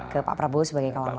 ke pak prabowo sebagai kawan kawan